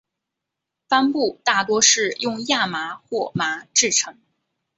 帆布大多是用亚麻或麻制成。